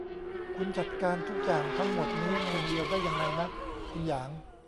คุณจัดการทุกอย่างทั้งหมดนี้คนเดียวได้ยังไงนะ คุณหยาง